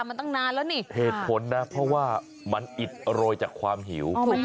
มันตั้งนานแล้วนี่เหตุผลนะเพราะว่ามันอิดโรยจากความหิว